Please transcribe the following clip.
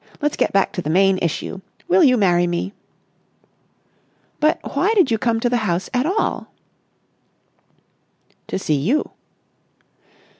Let's get back to the main issue. Will you marry me?" "But why did you come to the house at all?" "To see you."